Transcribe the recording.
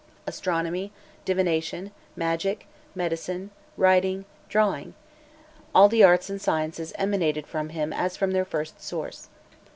Astronomy, divination, magic, medicine, writing, drawing in fine, all the arts and sciences emanated from him as from their first source.